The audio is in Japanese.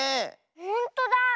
ほんとだ。